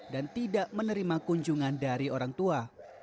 dan tidak menerima kunjungan dari orang tua